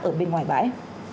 ở bên ngoài bãi